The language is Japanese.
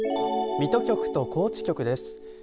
水戸局と高知局です。